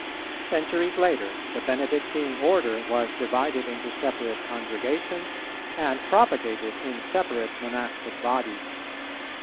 Centuries later, the Benedictine Order was divided into separate Congregations, and propagated in separate monastic bodies.